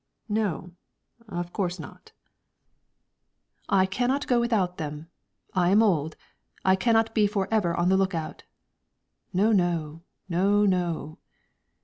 "No, of course not." "I cannot go with them; I am old, I cannot be forever on the lookout." "No, no! no, no!"